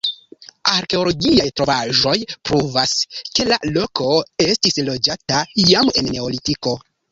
Arkeologiaj trovaĵoj pruvas, ke la loko estis loĝata jam en Neolitiko.